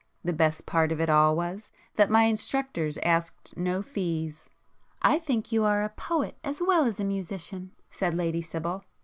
The best part of it all was, that my instructors asked no fees!" "I think you are a poet as well as a musician,"—said Lady Sibyl.